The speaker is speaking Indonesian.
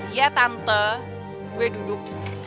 iya tante gue duduk